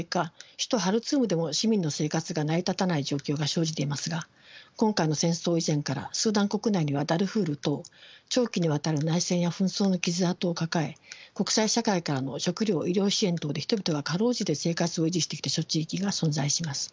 首都ハルツームでも市民の生活が成り立たない状況が生じていますが今回の戦争以前からスーダン国内にはダルフール等長期にわたる内戦や紛争の傷痕を抱え国際社会からの食糧・医療支援等で人々が辛うじて生活を維持してきた諸地域が存在します。